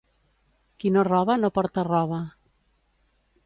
Qui no roba no porta roba.